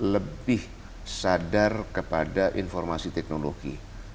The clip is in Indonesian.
lebih sadar kepada informasi teknologi